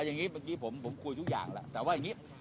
อ่าอย่างงี้ผมผมคุยทุกอย่างแล้วแต่ว่าอย่างงี้